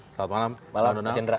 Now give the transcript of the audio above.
selamat malam donald